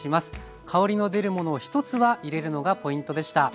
香りの出るものを１つは入れるのがポイントでした。